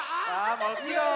あもちろん！